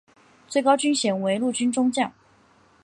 最高军衔为陆军中将。